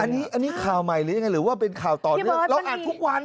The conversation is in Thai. อันนี้ข่าวใหม่หรือเป็นข่าวต่อเรื่องเราอ่านทุกวัน